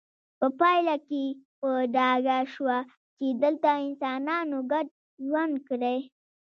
په پایله کې په ډاګه شوه چې دلته انسانانو ګډ ژوند کړی